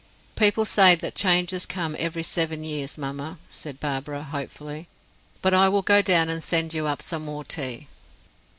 "People say that changes come every seven years, mamma," said Barbara, hopefully; "but I will go down and send you up some more tea."